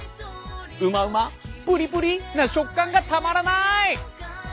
うまうまプリプリな食感がたまらない！